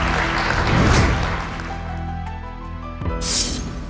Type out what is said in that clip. ขอบคุณครับ